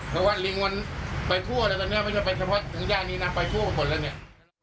เพราะว่าลิงมันไปทั่วเลยตอนนี้ไม่ใช่ไปเฉพาะถึงย่านนี้นะไปทั่วไปหมดแล้วเนี่ย